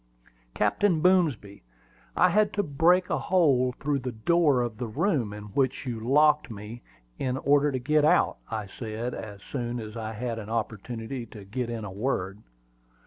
"Captain Boomsby, I had to break a hole through the door of the room in which you locked me, in order to get out," I said, as soon as I had an opportunity to get in a word.